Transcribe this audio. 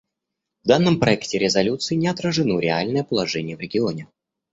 В данном проекте резолюции не отражено реальное положение в регионе.